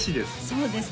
そうです